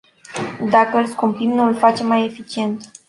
Dacă îl scumpim, nu îl facem mai eficient.